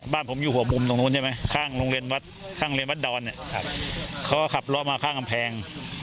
บ้านผมอยู่หัวบุมตรงนู้นใช่ไหมข้างโรงเรียนวัดดอนเนี่ยเขาก็ขับรอมาข้างกำแพง